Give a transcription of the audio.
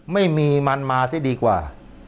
ไม่มีมันมาซะดีกว่า